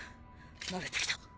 慣れてきた。